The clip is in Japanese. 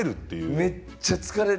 めっちゃ疲れる。